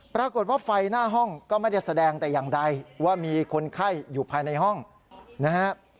ปรากฏว่าไฟหน้าห้องก็ไม่ได้แสดงแต่อย่างใดว่ามีคนไข้อยู่ภายในห้องนะฮะ